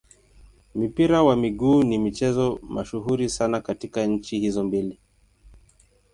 Mpira wa miguu ni mchezo mashuhuri sana katika nchi hizo mbili.